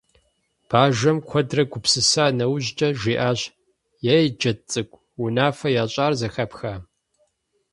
Бажэм, куэдрэ гупсыса нэужькӀэ жиӀащ: «Ей, Джэд цӀыкӀу, унэфэ ящӀар зэхэпха?».